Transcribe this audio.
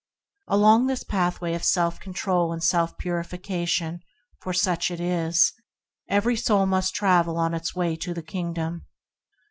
Along this pathway of self control and self purification — for such it is — every soul must travel on its way to the Kingdom.